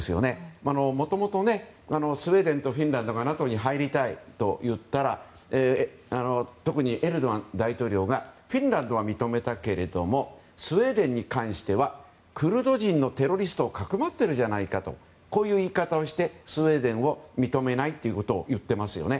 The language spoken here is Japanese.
もともとスウェーデンとフィンランドがＮＡＴＯに入りたいと言ったら特にエルドアン大統領がフィンランドは認めたけれどもスウェーデンに関してはクルド人のテロリストをかくまっているじゃないかとこういう言い方をしてスウェーデンを認めないことを言っていますよね。